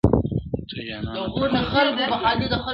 څه جانانه تړاو بدل کړ، تر حد زیات احترام,